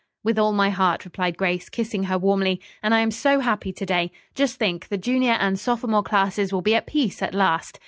"With all my heart," replied Grace, kissing her warmly. "And I am so happy to day. Just think, the junior and sophomore classes will be at peace at last."